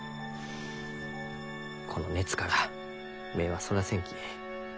この熱から目はそらせんき。